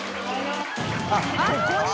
あっここに？